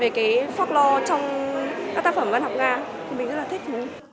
mình rất là thích